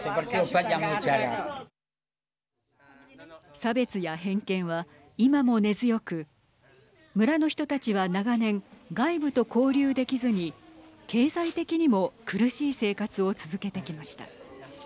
差別や偏見は今も根強く村の人たちは長年外部と交流できずに経済的にも苦しい生活を続けてきました。